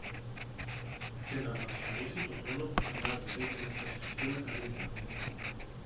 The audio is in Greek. και να μας χαρίσει τον χρόνο που χρειάζεται για να τα σκεφθούμε καλύτερα